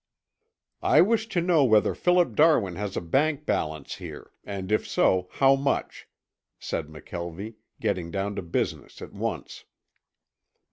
"I wish to know whether Philip Darwin has a bank balance here and if so how much," said McKelvie, getting down to business at once.